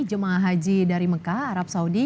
jemaah haji dari mekah arab saudi